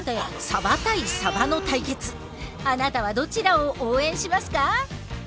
さてあなたはどちらを応援しますか？